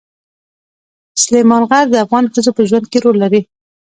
سلیمان غر د افغان ښځو په ژوند کې رول لري.